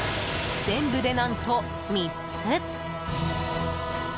全部で何と３つ！